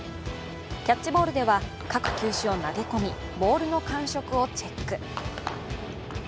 キャッチボールでは各球種を投げ込みボールの感触をチェック。